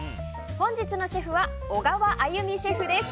本日のシェフは小川歩美シェフです。